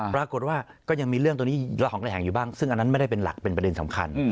ปรากฏว่าก็ยังมีเรื่องตัวนี้ระหองระแหงอยู่บ้างซึ่งอันนั้นไม่ได้เป็นหลักเป็นประเด็นสำคัญ